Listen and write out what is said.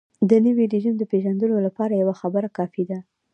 د نوي رژیم د پېژندلو لپاره یوه خبره کافي ده.